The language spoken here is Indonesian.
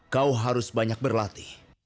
kau harus banyak berlatih